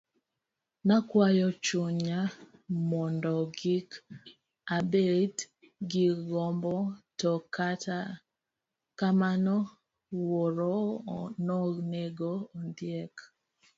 Nakwayo chunya mondo gik abed gi gombo, to kata kamano wuoro nonego ondiek.